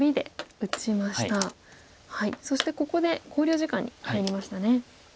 そしてここで考慮時間に入りましたね。